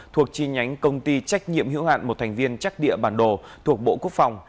thuộc chi nhánh công ty trách nhiệm hữu hạn một thành viên chắc địa bản đồ thuộc bộ quốc phòng